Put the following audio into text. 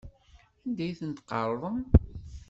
Anda ay ten-tqerḍem?